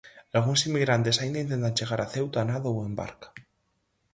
Algúns inmigrantes aínda intentan chegar a Ceuta a nado ou en barca.